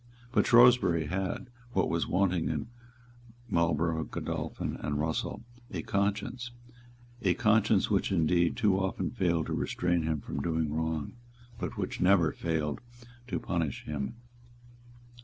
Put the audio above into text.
But Shrewsbury had, what was wanting to Marlborough, Godolphin and Russell, a conscience, a conscience which indeed too often failed to restrain him from doing wrong, but which never failed to punish him.